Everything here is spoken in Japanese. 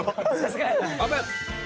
オープン。